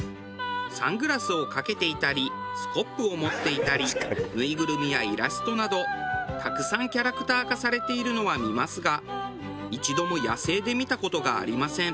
サングラスをかけていたりスコップを持っていたりぬいぐるみやイラストなどたくさんキャラクター化されているのは見ますが一度も野生で見た事がありません。